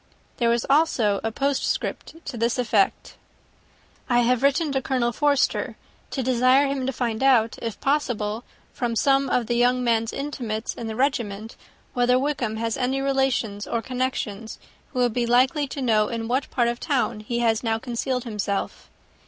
There was also a postscript to this effect: "I have written to Colonel Forster to desire him to find out, if possible, from some of the young man's intimates in the regiment, whether Wickham has any relations or connections who would be likely to know in what part of the town he has now concealed himself.